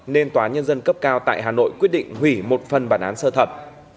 nên tòa nhân dân cấp cao tại hà nội quyết định hủy một phần bản án sơ thẩm